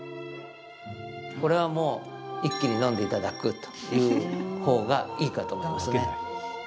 これはもう一気に飲んでいただくというほうがいいかと思いますね。